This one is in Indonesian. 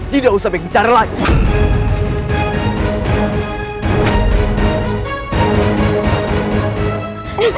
tidak usah bikin cara lain